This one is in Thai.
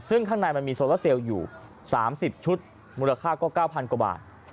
ซึ่งข้างในมันมีโซลาเซลอยู่๓๐ชุดมูลค่าก็๙๐๐กว่าบาท